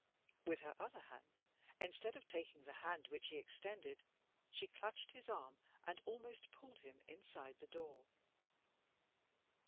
With her other hand, instead of taking the hand which he extended, she clutched his arm and almost pulled him inside the door.